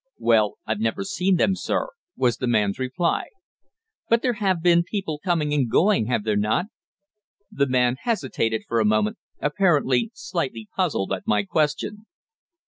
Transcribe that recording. "Well, I've never seen them, sir," was the man's reply. "But there have been people coming and going, have there not?" The man hesitated for a moment, apparently slightly puzzled at my question.